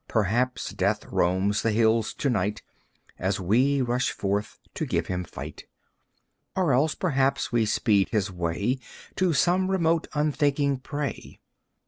Perhaps Death roams the hills to night And we rush forth to give him fight. Or else, perhaps, we speed his way To some remote unthinking prey.